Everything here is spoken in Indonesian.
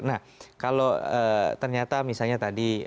nah kalau ternyata misalnya tadi